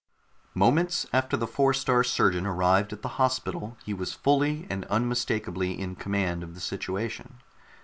Moments after the Four star Surgeon arrived at the hospital, he was fully and unmistakably in command of the situation.